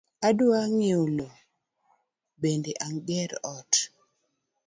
Adwa ng’iewo lowo bende agere ot